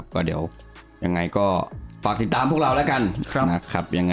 ก็เดี๋ยวยังไงก็ฝากติดตามพวกเราแล้วกันนะครับ